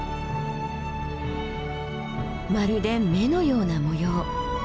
まるで目のような模様。